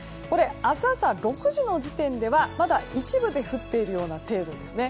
明日朝６時の時点ではまだ一部で降っているような程度です。